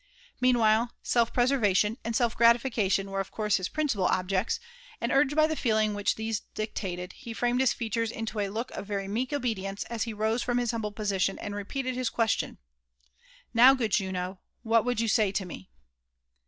Meanwhile, self preservation and self gratification were of course his principal objects; and urged by the feeling which these dictated, he framed his features into a look of very meek obedience as he rose from his humble position, and repeated his question —*' Now, good Juno, what would you say to me?"